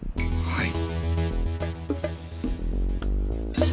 はい。